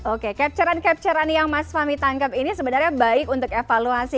oke capture an capture an yang mas fahmi tangkap ini sebenarnya baik untuk evaluasi